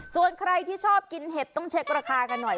ส่วนใครที่ชอบกินเห็ดต้องเช็คราคากันหน่อย